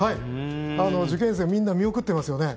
受験生をみんな見送ってますよね